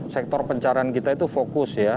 sektor pencarian kita itu fokus ya